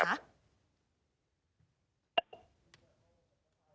ครับ